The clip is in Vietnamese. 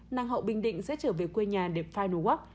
nàng hậu bình định sẽ trở về quê nhà để final walk